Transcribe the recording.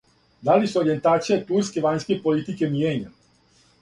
Да ли се оријентација турске вањске политике мијења?